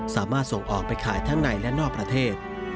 ส่งออกไปขายทั้งในและนอกประเทศ